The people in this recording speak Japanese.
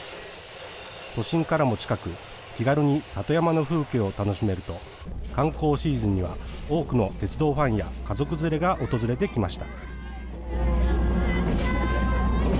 都心からも近く、気軽に里山の風景を楽しめると、観光シーズンには多くの鉄道ファンや家族連れが訪れてきました。